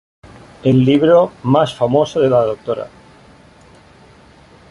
El libro más famoso de la Dra.